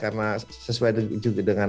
karena sesuai dengan